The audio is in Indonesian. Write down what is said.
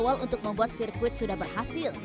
awal untuk membuat sirkuit sudah berhasil